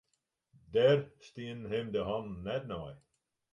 Dêr stienen him de hannen net nei.